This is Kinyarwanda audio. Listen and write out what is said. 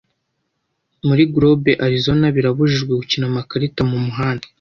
Muri Globe Arizona birabujijwe gukina amakarita mumuhanda